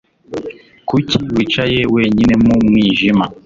Kuki wicaye wenyine mu mwijima?